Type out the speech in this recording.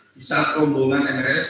di saat rombongan mrs